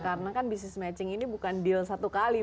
karena kan bisnis matching ini bukan deal satu kali